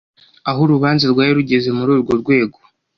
aho urubanza rwari rugeze Muri urwo rwego